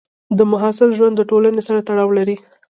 د محصل ژوند د ټولنې سره تړاو لري.